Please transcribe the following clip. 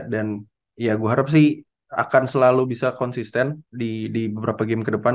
dan ya gue harap sih akan selalu bisa konsisten di beberapa game kedepan